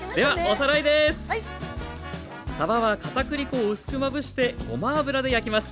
さばはかたくり粉を薄くまぶしてごま油で焼きます。